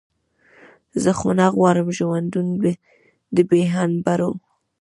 زه خو نه غواړم ژوندون د بې هنبرو.